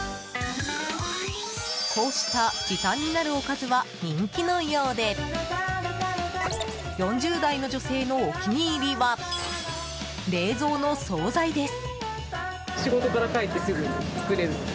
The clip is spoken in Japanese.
こうした時短になるおかずは人気のようで４０代の女性のお気に入りは冷蔵の総菜です。